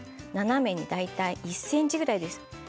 斜めに大体１ｃｍぐらいです。